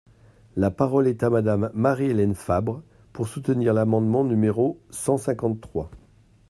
La parole est à Madame Marie-Hélène Fabre, pour soutenir l’amendement numéro cent cinquante-trois.